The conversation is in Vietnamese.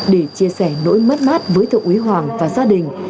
để chia sẻ nỗi mất mát với thượng úy hoàng và gia đình